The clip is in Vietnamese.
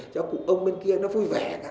cho cục ông bên kia nó vui vẻ cả